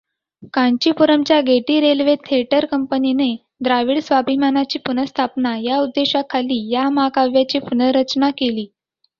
कांचीपुरमच्या गेटी railway theatre कंपनीने द्राविड स्वाभिमानाची पुनःस्थापना या उद्देशाखाली या महाकाव्याची पुनर्रचना केली.